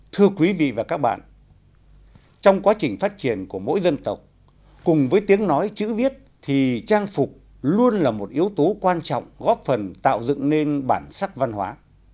thưa quý vị và các bạn trong quá trình phát triển của mỗi dân tộc cùng với tiếng nói chữ viết thì trang phục luôn là một yếu tố quan trọng góp phần tạo dựng nên bản sắc văn hóa